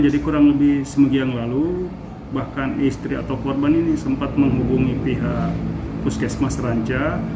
kurang lebih seminggu yang lalu bahkan istri atau korban ini sempat menghubungi pihak puskesmas ranca